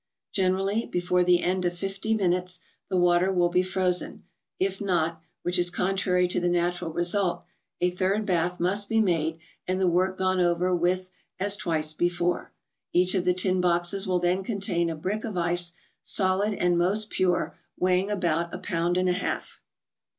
Generally, before the end of fifty minutes, the water will be frozen ; if not—which is contrary to the natural result—a third bath must be made, and the work gone over with, as twice before. Each of the tin boxes will then contain a brick of ice, solid, and most pure, weighing about a pound and a half.